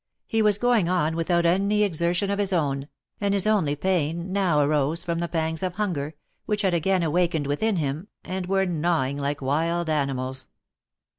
He was going on without any exertion of his own, and his only pain now arose from the pangs of hunger, which had again awakened within him, and were gnawing like wild animals.